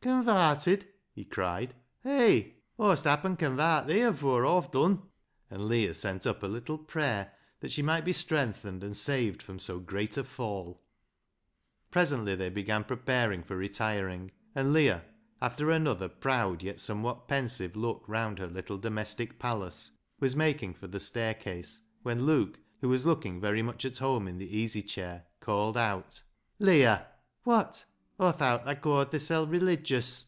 " Convarted !" he cried. " Hay ! Aw'st happen convart thee afoor Aw've done," And Leah sent up a little prayer that she might be strengthened and saved from so great a fall. Presently they began preparing for retiring, and Leah, after another proud yet somewhat pensive look round her little domestic palace, was making for the staircase, when Luke, who was looking very much at home in the easy chair, called out —" Leah !" LEAH'S LOVER 109 " Wot ?"" Aw thowt tha caw'd thisel' religious."